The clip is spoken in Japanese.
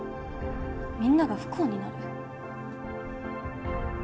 みんなが不幸になる。